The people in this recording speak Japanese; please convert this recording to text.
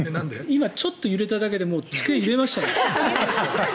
今、ちょっと揺れただけで机揺れましたもんね。